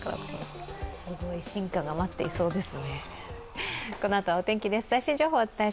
すごい進化が待っていそうです。